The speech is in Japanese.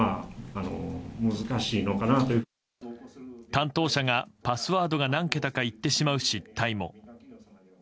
担当者がパスワードが何桁か言ってしまう失態も。